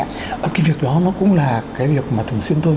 thì cái việc đó nó cũng là cái việc mà thường xuyên tôi